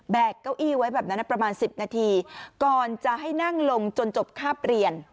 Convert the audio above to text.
เก้าอี้ไว้แบบนั้นประมาณ๑๐นาทีก่อนจะให้นั่งลงจนจบคาบเรียน